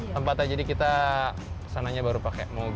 tempatnya jadi kita sananya baru pakai mobil